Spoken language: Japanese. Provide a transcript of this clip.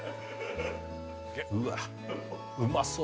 うわっうまそう